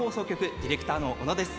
ディレクターの小野です。